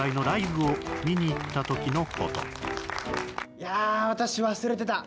いや、私忘れてた。